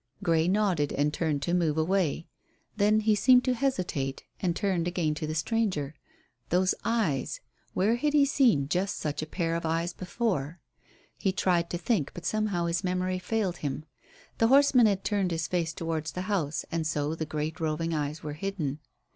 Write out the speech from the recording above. Grey nodded, and turned to move away. Then he seemed to hesitate, and turned again to the stranger. Those eyes! Where had he seen just such a pair of eyes before? He tried to think, but somehow his memory failed him. The horseman had turned his face towards the house and so the great roving eyes were hidden.